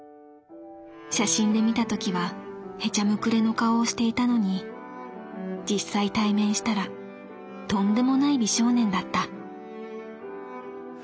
写真で見た時はへちゃむくれの顔をしていたのに実際対面したらとんでもない美少年だった」。